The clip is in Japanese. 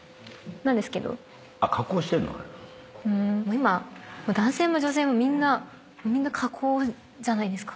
今男性も女性もみんな加工じゃないですか。